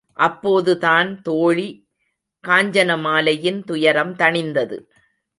அப்போது தான் தோழி காஞ்சனமாலையின் துயரம் தணிந்தது.